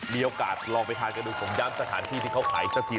มีโอกาสลองไปทานกันดูผมย้ำสถานที่ที่เขาขายสักที